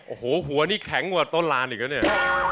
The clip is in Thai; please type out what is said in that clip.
โอ้โหหัวนี่แข็งกว่าต้นลานอีกแล้วเนี่ย